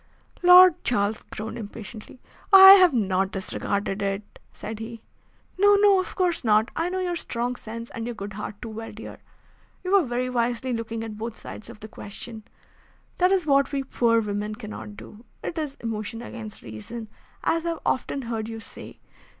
Lord Charles groaned impatiently. "I have not disregarded it," said he. "No, no, of course not. I know your strong sense, and your good heart too well, dear. You were very wisely looking at both sides of the question. That is what we poor women cannot do. It is emotion against reason, as I have often heard you say.